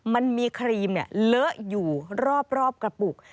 มันมีครีมเลอะอยู่รอบกระปุก